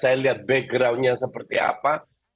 saya lihat backgroundnya seperti apa